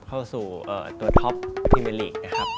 เข้าสู่ตัวท็อปที่เมลิกนะครับ